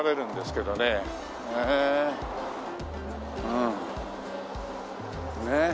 うんねえ。